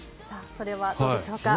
それはどうでしょうか。